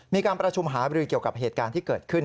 มีการประชุมหาบรือเกี่ยวกับเหตุการณ์ที่เกิดขึ้น